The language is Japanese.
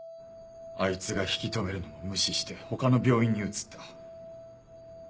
あいつが引き止めるのも無視して他の病院に移った。